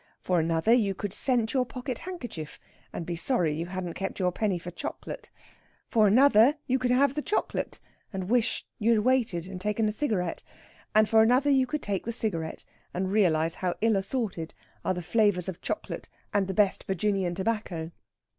For another you could scent your pocket handkerchief, and be sorry you hadn't kept your penny for chocolate. For another you could have the chocolate, and wish you had waited and taken a cigarette. And for another you could take the cigarette, and realise how ill assorted are the flavours of chocolate and the best Virginian tobacco.